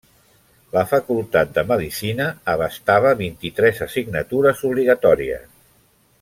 La Facultat de Medicina abastava vint-i-tres assignatures obligatòries.